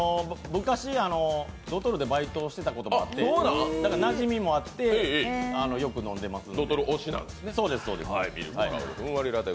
昔、ドトールでバイトしてたことがあってなじみもあって、よく飲んでます。